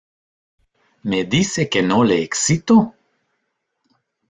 ¿ me dice que no le excito?